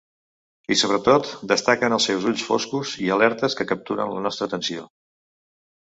I sobretot destaquen els seus ulls foscos i alertes que capturen la nostra atenció.